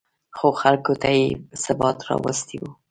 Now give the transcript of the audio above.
خو خلکو ته یې ثبات راوستی و